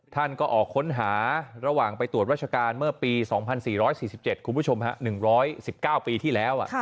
ท่านก็ออกค้นหาระหว่างไปตรวจราชการเมื่อปี๒๔๔๗คุณผู้ชม๑๑๙ปีที่แล้ว